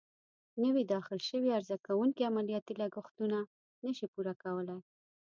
نوي داخل شوي عرضه کوونکې عملیاتي لګښتونه نه شي پوره کولای.